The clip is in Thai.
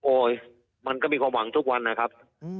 มันก็มีความหวังทุกวันนะครับ